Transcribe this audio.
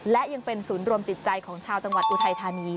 และยังเป็นศูนย์รวมจิตใจของชาวจังหวัดอุทัยธานี